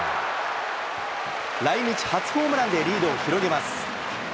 来日初ホームランでリードを広げます。